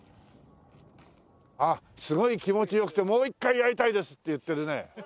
あっすごい気持ち良くてもう一回やりたいですって言ってるね。